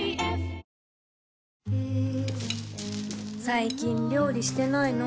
最近料理してないの？